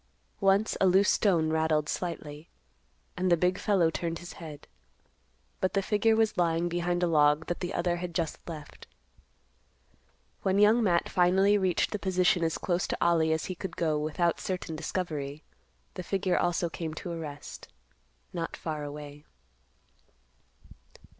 Once a loose stone rattled slightly, and the big fellow turned his head; but the figure was lying behind a log that the other had just left. When Young Matt finally reached the position as close to Ollie as he could go without certain discovery, the figure also came to a rest, not far away.